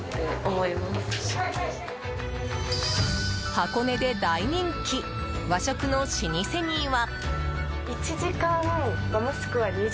箱根で大人気和食の老舗には。